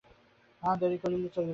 আর দেরি করলে চলবে না।